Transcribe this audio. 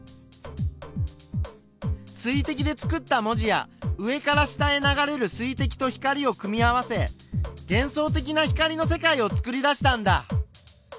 水てきでつくった文字や上から下へ流れる水てきと光を組み合わせげん想的な光の世界をつくりだしたんだ。